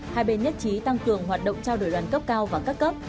hai bên nhất trí tăng cường hoạt động trao đổi đoàn cấp cao và cấp cấp